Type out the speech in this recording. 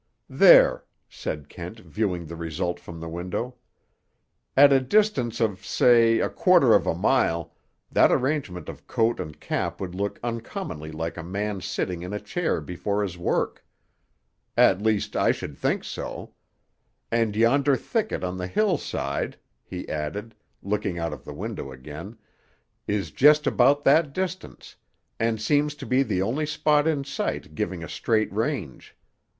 "There," said Kent viewing the result from the window. "At a distance of, say, a quarter of a mile, that arrangement of coat and cap would look uncommonly like a man sitting in a chair before his work. At least, I should think so. And yonder thicket on the hillside," he added, looking out of the window again, "is just about that distance, and seems to be the only spot in sight giving a straight range.